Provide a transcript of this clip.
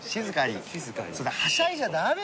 はしゃいじゃ駄目よ。